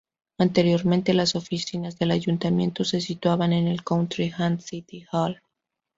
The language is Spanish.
Anteriormente, las oficinas del ayuntamiento se situaban en el County and City Hall.